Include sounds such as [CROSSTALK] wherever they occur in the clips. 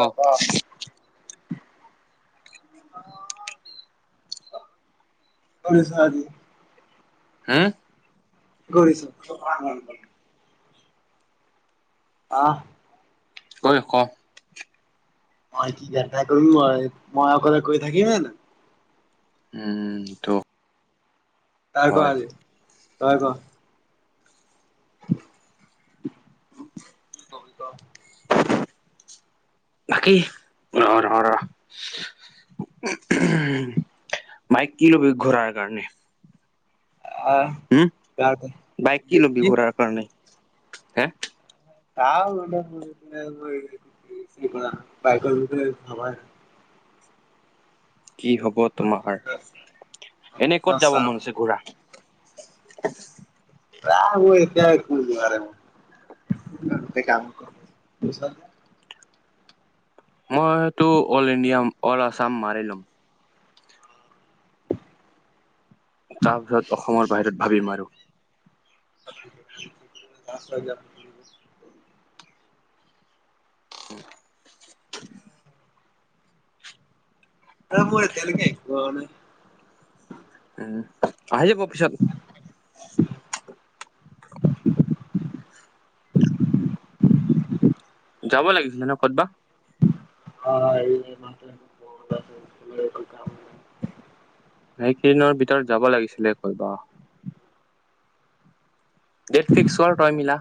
অ। [INAUDIBLE] [UNINTELLIGIBLE] হম? কৰিছো [UNINTELLIGIBLE] আহ। ঐ ক? মই কি [UNINTELLIGIBLE] মইক কৈ থাকিমে জানো। উম ত তাই কো হয় আজি তই কো? কি কবি ক [UNINTELLIGIBLE] বাকি, ৰ-ৰ-ৰ। বাইক কি লবি ঘূৰাৰ কাৰণে? আহ উম তাৰ ক বাইক কি লবি ঘূৰাৰ কাৰণে? হে? [UNINTELLIGIBLE] কি হব তোমাৰ। এনে ক'ত যাব মন আছে ঘূৰা? [INAUDIBLE] [UNINTELLIGIBLE] [UNINTELLIGIBLE] মইতো অল ইণ্ডিয়া, অল আছাম মাৰি লম। তাৰপিছত অসমৰ বাহিৰত ভাবি আৰু। [UNINTELLIGIBLE] [INAUDIBLE] [UNINTELLIGIBLE] উম, আহি যাব পিছত। যাব লাগিছিলে ন' ক'তবা। অ' [UNINTELLIGIBLE] এই কেইদিনৰ ভিতৰত যাব লাগিছিলে ক'তবা। ডেট ফিক্স কৰ তই মিলা,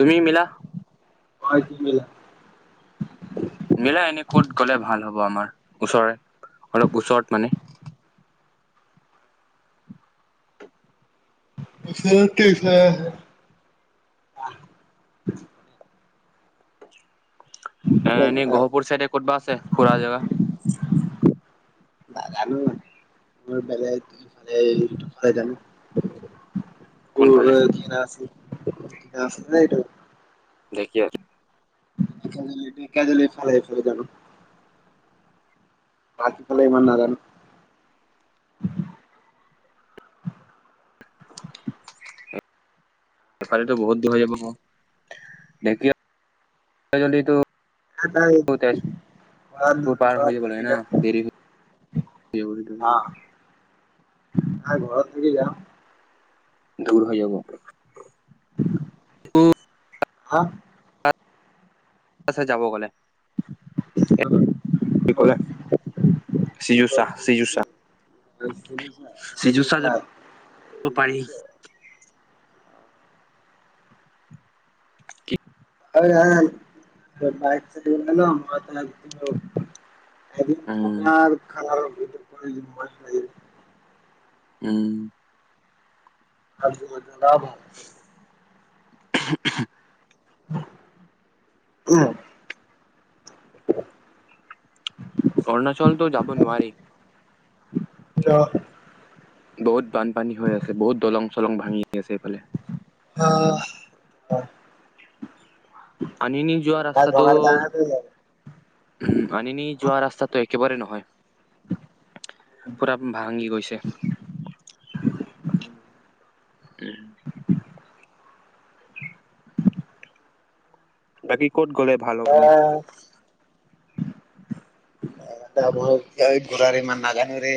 তুমি মিলা। মই কি মিলাম। মিলাই এনে ক'ত গ'লে ভাল হ'ব আমাৰ, ওচৰে অলপ ওচৰত মানে। [UNINTELLIGIBLE] এ এনেই গহপুৰ চাইডে ক'তবা আছে ফুৰা জেগা? নাজানো মোৰ বেলেগ [UNINTELLIGIBLE] জানো। কোনফালে উম কি নাম আছিলে [UNINTELLIGIBLE] [INAUDIBLE] ঢেকিয়াজুলী ঢেকিয়াজুলী এইফালে এইফালে জানো। পাতফালে ইমান নাজানো। ইফালে টো বহুত দূৰ হৈ যাব, [UNINTELLIGIBLE] [UNINTELLIGIBLE] তাই পাৰ ঘৰত হৈ যাব থাকি লাগে ন যাম [UNINTELLIGIBLE] [UNINTELLIGIBLE] অ', ঘৰত থাকি যাম। দূৰ হৈ যাব। [UNINTELLIGIBLE] [INAUDIBLE] [UNINTELLIGIBLE] যাব গলে। [UNINTELLIGIBLE] সিজুসা সিজুসা। যাব পাৰি [UNINTELLIGIBLE] কি [UNINTELLIGIBLE] বাইক [UNINTELLIGIBLE] উম এদিন থকাৰ [UNINTELLIGIBLE] উম। [UNINTELLIGIBLE] [UNINTELLIGIBLE] [UNINTELLIGIBLE] অৰুণাচলতো যাব নোৱাৰি। অ'। বহুত বানপানী হৈ আছে, বহুত দলং-চলং ভাঙি আছে সেইফালে। আহ। আনিনি যোৱা ৰাস্তাটো, উম আনিনি যোৱা ৰাস্তাটো এক একেবাৰে নহয়। পুৰা ভাঙি গৈছে। উম। [UNINTELLIGIBLE] বাকী ক'ত গ'লে ভাল হ'বনি? [UNINTELLIGIBLE] ঘূৰাৰ ইমান নাজানুৰে।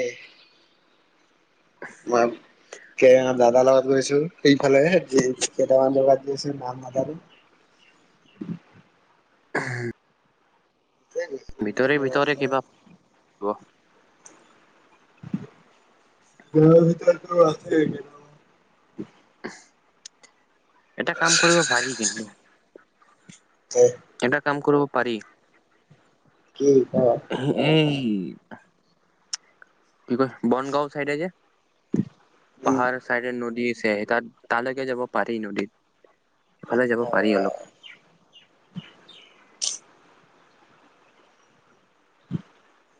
ম‌ই কে দাদা লগত গৈছো সেইফালে কেইটামান জগাত গৈছো নাম নাজানো। [UNINTELLIGIBLE] ভিতৰে ভিতৰে কিবা [UNINTELLIGIBLE] ঘৰৰ ভিতৰত টো আছেই এইকেইদিন। এটা কাম কৰিব ভাহি কিন্তু। এটা কাম কৰিব পাৰি। কি ক এই কি কৈ বনগাঁও চাইডে যে, পাহাৰ চাইডে নদী তাত তালৈকে যাব পাৰি নদীত। সেইফালে যাব পাৰি অলপ।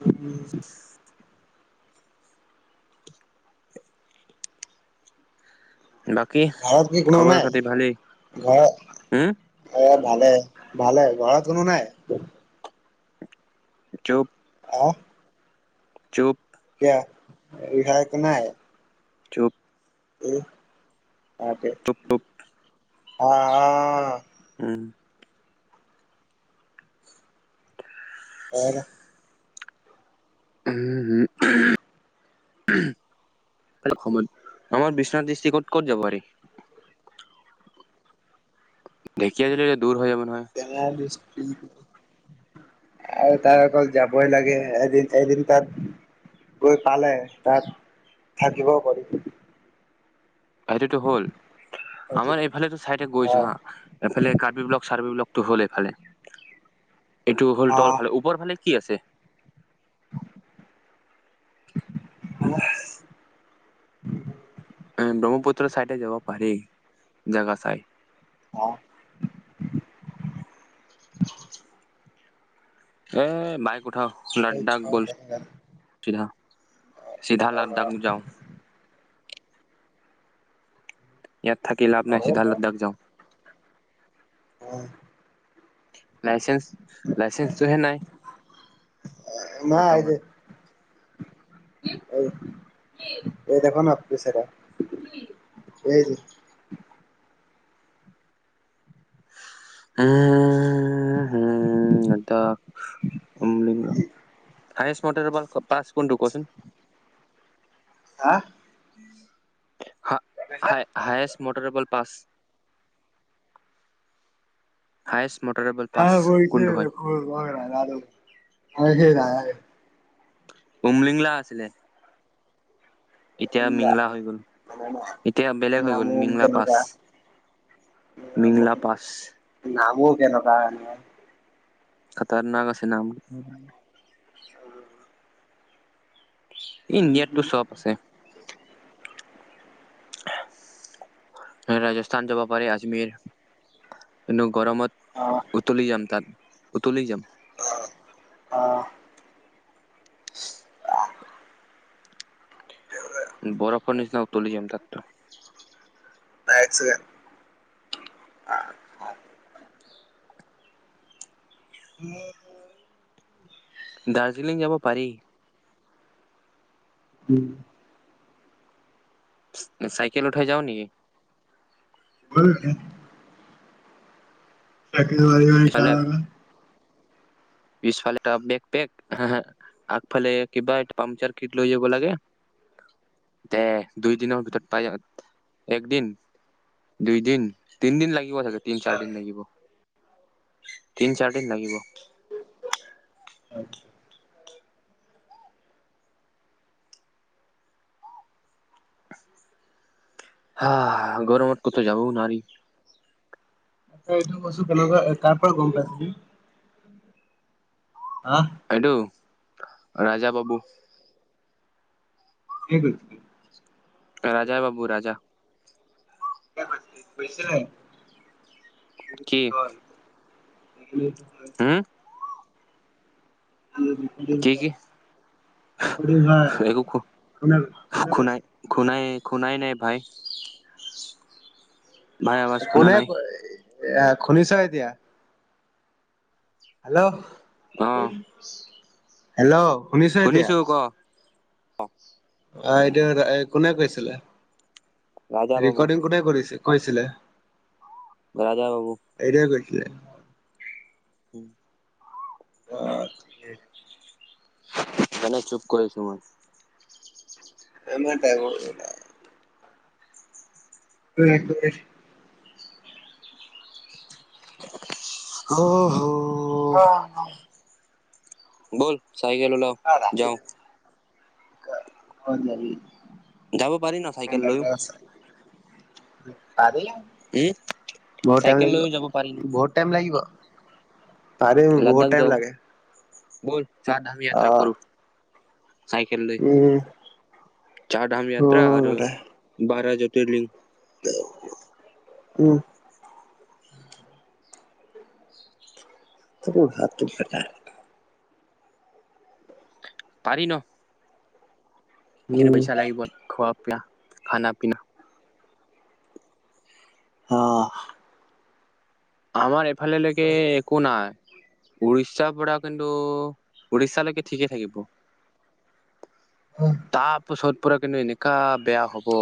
উম। বাকী ঘৰত কি কোনো খবৰ নাই? খাতি ভালেই হম ঘ-ঘৰত ভালে ভালে। ঘৰত কোনো নাই? [INAUDIBLE] হা? চুপ। কিয়া? [UNINTELLIGIBLE] একো নাই চুপ। এ তাক চুপ চুপ অ অ উম। [INAUDIBLE] উম আমাৰ বিশ্বনাথ দৃষ্টিক'ত ক'ত যাব পাৰি? ঢেকীয়াজুলি যে দূৰ হৈ যাব। নহয় [UNINTELLIGIBLE] আৰু তাৰ অকল যাবই লাগে এদিন এদিন তাত গত ভালে তাত থাকিবও পাৰি। সেইটোতো হ'ল। আমাৰ এইফালে চাইড গৈছো আহ হা, এইফালে কাৰ্বি ব্লক চাৰ্বি ব্লক টো হ'ল এইফালে, এইটো হ'ল তল আহ ফালে, ওপৰ ফালে কি আছে? [UNINTELLIGIBLE] উম ব্ৰহ্মপুত্ৰৰ চাইডে যাব পাৰি জোগা চাই। হা? এ বাইক উঠাও এই লড্ডাক বোল চিধা। চিধা লাদ্যাক যাওঁ। ইয়াত থাকি লাভ নাই, চিধা লাদ্যাক যাওঁ। [UNINTELLIGIBLE] লাইচেন্স, লাইচেন্সটোহে নাই। নাই বৰ্তমান আইতে। এই এই দেখোন পি চাইটে। সেই যে। উম। নেটা [UNINTELLIGIBLE] আইচ মটৰ পাঁচ কোন টো কচোন। হা হা হায়েষ্ট মটৰবল পাঁচ হায়েষ্ট ন পাছ গৈছে কোনটো হয় দেখ মই নাজানো আৰু সেই নাই। উমলিংলা আছিলে। এতিয়া উমলা মিংলা হৈ গ'ল এতিয়া বেলেগ হৈ গ'ল নামলো মিংলা পাছ কেনেকুৱা। মিংলা পাছ নামো কেনেকুৱা এনে। খাতাৰ নাক আছে নাম। ইণ্ডিয়াতটো চ'ব আছে। ৰাজস্থান যাব পাৰে আজমীৰ। গৰমত উতলি যাম, তাত উতলি যাম। আহ, আহ। বৰফৰ নিচিনা উতলি যাম তাত। [UNINTELLIGIBLE] উম। দাৰ্জিলিং যাব পাৰি। উম। চাইকেল উঠাই যাওঁ নেকি? বৈল নহ'লে। ইফালে [UNINTELLIGIBLE] পিছফালে বেগ পেগ হ হ। আগফালে কিবা এ পাংচাৰ কিট লৈ যাব লাগে। দে দুইদিনৰ ভিতৰত পাই যাম একদিন। দুই দিন তিনিদিন লাগিব। কি কথা কয় তিন চাৰ দিন লাগিব, তিন চাৰ দিন লাগিব। [UNINTELLIGIBLE] হা গৰমত কোতও যাবও নোৱাৰিম। ত, এইটো বস্তু কেনেকুৱা কাৰ পৰা গ'ম পাইছিলি। হা এইটো ৰাজা বাবু। কি কৰিছিলি। ৰাজা বাবু ৰাজা [UNINTELLIGIBLE] কি বুলি কি কয়। হম। [UNINTELLIGIBLE] কি কি [UNINTELLIGIBLE] যোৱা নাই একো কোনে কৈছে কোনে কৈয়ছে। শুনাই নাই ভাই। ভাই আৱাজ শুনা কোনে নাই এ শুনিছ এতিয়া। হেল্ল' আহ। হেল্ল' শুনিছ এতিয়া শুনিছো ক অহ, এইটো এটা কোনে কৈছিলে, ৰাজা বাবু ৰেকৰ্ডিং কোনে কৰিছিল? কৈছিলে? ৰাজা বাবু। কি। উম, [UNINTELLIGIBLE] অহ, ঠিকে। [UNINTELLIGIBLE] ইমানে চুপ কৰিছোঁ মই। আমাৰ দামোৰি নাই। [UNINTELLIGIBLE] [UNINTELLIGIBLE] অহ', হ। অহ, নাই। ব'ল চাইকেল ওলাওঁ যাওঁ। কা [UNINTELLIGIBLE] যাব পাৰি ন, চাইকেল লৈয়ো। পাৰি উম বহুত টাইম চাইকেল লাগিব, লৈও যাব পাৰি বহুত টাইম লাগিব। পাৰিম ন লাডাখ বহুত টাইম যাওঁ লাগে। ব'ল চাৰ ধামি অ যাত্ৰা কৰো চাইকেল লৈ। উম চাৰ ধামি যাত্ৰা উম আৰু বেটা বাৰ জতিলিং। [UNINTELLIGIBLE] উম। তোৰ বোলে হাত ফাটা। পাৰি ন। সেইখিনি উম পইচা লাগিব খোৱা-পিয়া, খানা-পিনা। অহ। আমাৰ এফালেলৈকে একো নাই। উৰিষ্যাৰ পৰা কিন্তু, উৰিষ্যাালৈকে ঠিকেই থাকিব। তাৰপিছত পুৰা কিন্তু এনেকা বেয়া হ'ব।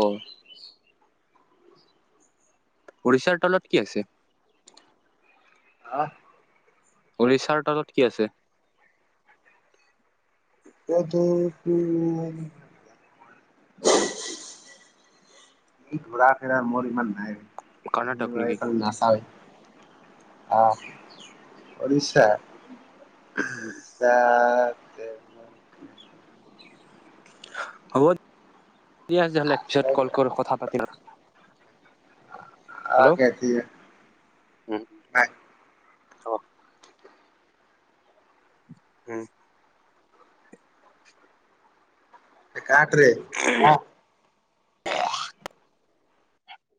উৰিষ্যাৰ তলত কি আছে? হা? উৰিষ্যাৰ তলত কি আছে? এইটো কি [UNINTELLIGIBLE] ই ঘূৰা-ফিৰা মোৰ ইমান নাই, কৰ্ণাটক নেকি এইফালে নাচাওৱেই। অহ, উৰিষ্যা, উৰিষ্যা তে [UNINTELLIGIBLE] হ'ব দিয়া তেতিয়া হ'লে, পিছত কল কৰো কথা পাতি ল'। অহ, কেতিয়া, নাই। অহ। উম। কটৰে অহ।